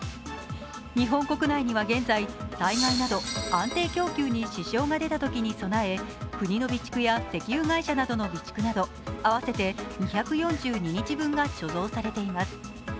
日本国内には現在、災害など安定供給に支障が出たときに備え、国の備蓄や石油会社の備蓄など合わせて２４２日分が貯蔵されています。